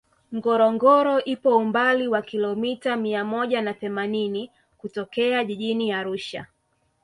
ngorongoro ipo umbali wa kilomita mia moja na themanini kutokea jijini arusha